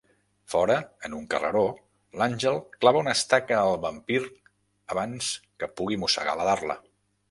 Fora, en un carreró, l'Àngel clava una estaca al vampir abans que pugui mossegar la Darla.